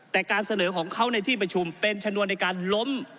แต่การเสนอของเขาในที่ประชุมเป็นชนวนในการล้ม